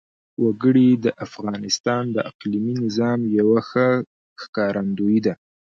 وګړي د افغانستان د اقلیمي نظام یوه ښه ښکارندوی ده.